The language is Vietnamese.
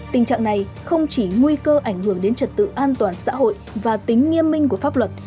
tình trạng này không chỉ nguy cơ ảnh hưởng đến trật tự an toàn xã hội và tính nghiêm minh của pháp luật